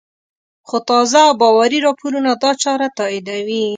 خو تازه او باوري راپورونه دا چاره تاییدوي